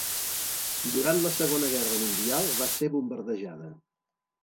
Durant la segona guerra mundial va ser bombardejada.